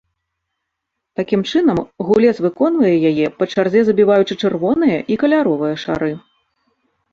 Такім чынам, гулец выконвае яе па чарзе забіваючы чырвоныя і каляровыя шары.